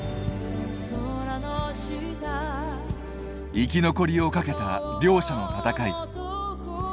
生き残りをかけた両者の戦い。